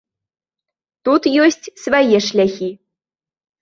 Тут ёсць свае шляхі.